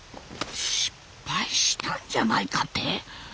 失敗したんじゃないかって？